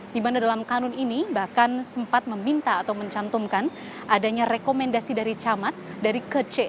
di mana dalam kanun ini bahkan sempat meminta atau mencantumkan adanya rekomendasi dari camat dari kc